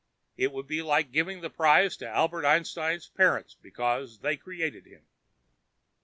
It would be like giving the prize to Albert Einstein's parents because they created him."